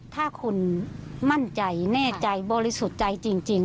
ถ้าคุณมั่นใจแน่ใจบริสุทธิ์ใจจริง